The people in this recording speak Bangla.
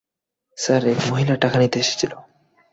স্যার, এক মহিলা টাকা নিতে এসেছিল।